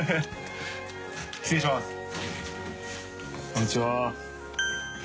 こんにちは。